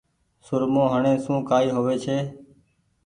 سرمو هڻي سون ڪآئي هووي ڇي۔